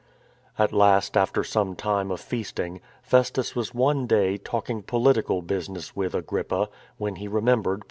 At last, after some time of feasting, Festus was one day talking political business with Agrippa, when he remembered Paul.